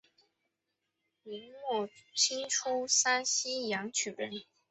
明末清初山西阳曲人。